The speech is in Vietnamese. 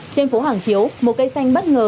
trên phố hàng chiếu một cây xanh bất ngờ